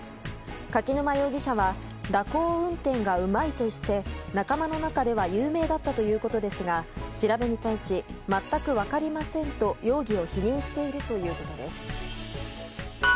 柿沼容疑者は蛇行運転がうまいとして仲間の中では有名だったということですが調べに対し全く分かりませんと容疑を否認しているということです。